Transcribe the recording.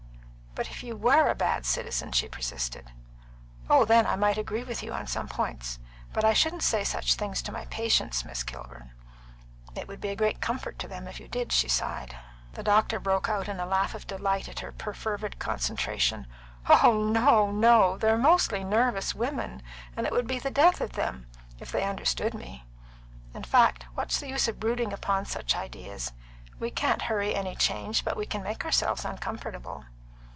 "But if you were a bad citizen?" she persisted. "Oh, then I might agree with you on some points. But I shouldn't say such things to my patients, Miss Kilburn." "It would be a great comfort to them if you did," she sighed. The doctor broke out in a laugh of delight at her perfervid concentration. "Oh, no, no! They're mostly nervous women, and it would be the death of them if they understood me. In fact, what's the use of brooding upon such ideas? We can't hurry any change, but we can make ourselves uncomfortable."